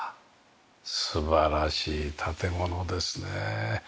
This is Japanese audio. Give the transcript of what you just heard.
素晴らしい建物ですね。